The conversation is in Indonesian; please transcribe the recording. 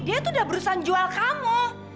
dia itu udah berusaha jual kamu